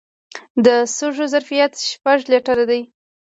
د سږو ظرفیت شپږ لیټره دی.